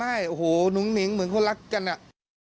ใช่โอ้โหนุ้งนิ้งเหมือนคนรักกันอะ